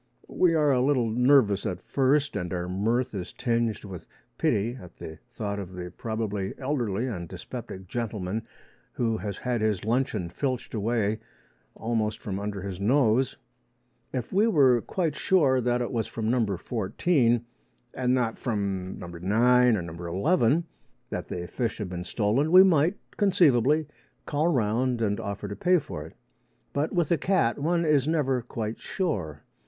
We are a little nervous at first, and our mirth is tinged with pity at the thought of the probably elderly and dyspeptic gentleman who has had his luncheon filched away almost from under his nose. If we were quite sure that it was from No. 14, and not from No. 9 or No. 11, that the fish had been stolen, we might conceivably call round and offer to pay for it. But with a cat one is never quite sure.